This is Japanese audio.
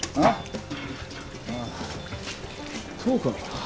あっそうか。